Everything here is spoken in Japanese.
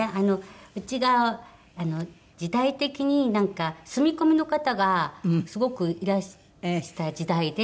うちが時代的になんか住み込みの方がすごくいらした時代で。